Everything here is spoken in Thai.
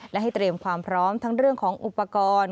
และให้เตรียมความพร้อมทั้งเรื่องของอุปกรณ์